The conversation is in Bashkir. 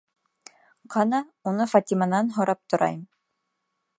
Ҡана, уны Фатиманан һорап торайым.